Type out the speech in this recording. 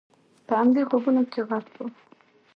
په همدې خوبونو کې غرق ووم.